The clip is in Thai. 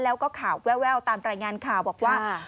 แล้วก็ข่าวแววตามรายงานข่าวบอกว่า